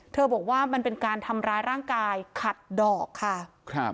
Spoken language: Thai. บอกว่ามันเป็นการทำร้ายร่างกายขัดดอกค่ะครับ